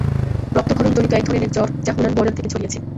রক্তক্ষরণ জনিত এক ধরনের জ্বর যা হুনান বর্ডার থেকে ছড়িয়েছে।